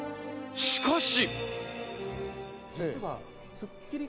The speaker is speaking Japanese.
しかし。